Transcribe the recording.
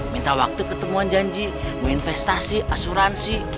minta waktu ketemuan janji mau investasi asuransi